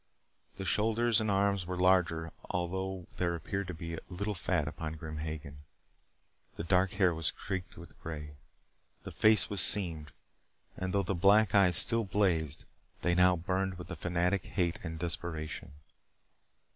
The shoulders and arms were larger although there appeared to be little fat upon Grim Hagen. The dark hair was streaked with gray. The face was seamed, and though the black eyes still blazed they now burned with a fanatic hate and desperation.